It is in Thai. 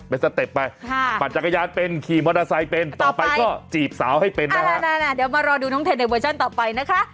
เป็นสเต็ปไปปั่นจักรยานเป็นขี่มอเตอร์ไซค์เป็นต่อไปก็จีบสาวให้เป็นเดี๋ยวมารอดูน้องเทนในเวอร์ชันต่อไปนะคะ